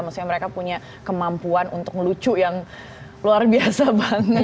maksudnya mereka punya kemampuan untuk ngelucu yang luar biasa banget